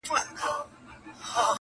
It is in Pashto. چي یې ستا له زخمه درد و احساس راکړ،